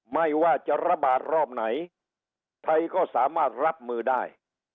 ไม่ว่าจะระบาดรอบไหนไทยก็สามารถรับมือได้